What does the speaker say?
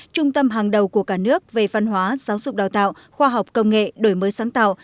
trung tâm hàng đầu của cả nước về văn hóa giáo dục đào tạo khoa học công nghệ đổi mới sáng tạo